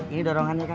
ini dorongannya kan